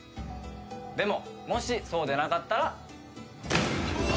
でももしそうでなかったら。